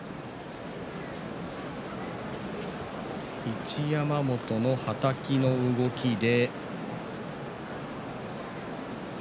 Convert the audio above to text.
一山本のはたきの動きで。